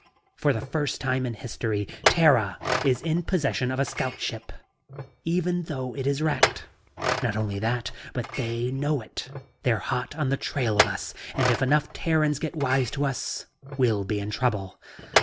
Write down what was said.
"For the first time in history, Terra is in possession of a scout ship even though it is wrecked. Not only that, but they know it. They're hot on the trail of us. And if enough Terrans get wise to us, we'll be in trouble.